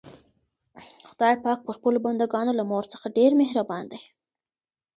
خدای پاک پر خپلو بندګانو له مور څخه ډېر مهربان دی.